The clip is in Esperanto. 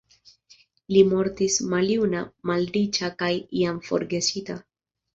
Li mortis maljuna, malriĉa kaj jam forgesita.